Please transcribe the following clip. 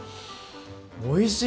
おいしい！